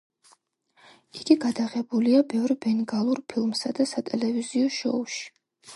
იგი გადაღებულია ბევრ ბენგალურ ფილმსა და სატელევიზიო შოუში.